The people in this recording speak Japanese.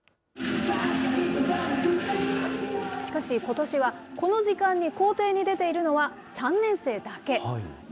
しかし、ことしはこの時間に校庭に出ているのは３年生だけ。